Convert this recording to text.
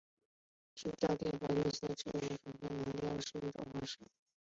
制造淀粉是绿色植物贮存能量的一种方式。